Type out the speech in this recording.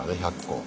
１００個。